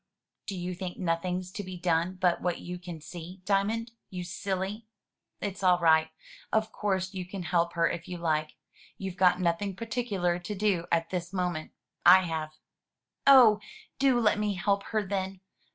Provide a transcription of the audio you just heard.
"Do you think nothing's to be done but what you can see. Diamond, you silly! It's all right. Of course you can help her if you like. You've got nothing particular to do at this moment; I have." "Oh! do let me help her, then.